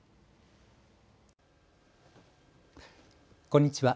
こんにちは。